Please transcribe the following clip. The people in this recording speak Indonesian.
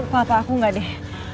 pa pa aku nggak deh